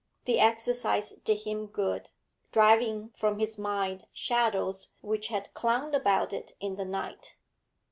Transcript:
The exercise did him good, driving from his mind shadows which had clung about it in the night.